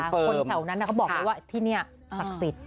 คนแถวนั้นเขาบอกเลยว่าที่นี่ศักดิ์สิทธิ